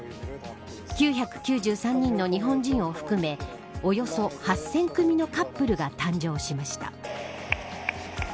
９９３人の日本人を含めおよそ８０００組のカップルが誕生しました。